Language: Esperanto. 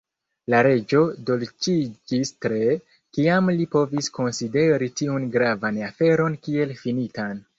La Reĝo dolĉiĝis tre, kiam li povis konsideri tiun gravan aferon kiel finitan.